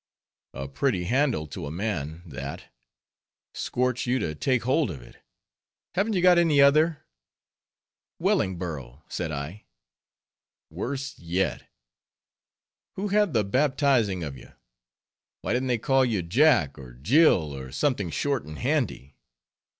"A pretty handle to a man, that; scorch you to take hold of it; haven't you got any other?" "Wellingborough," said I. "Worse yet. Who had the baptizing of ye? Why didn't they call you Jack, or Jill, or something short and handy.